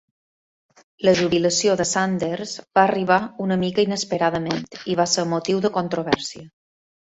La jubilació de Sanders va arribar una mica inesperadament i va ser motiu de controvèrsia.